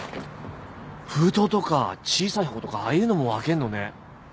封筒とか小さい箱とかああいうのも分けんのね。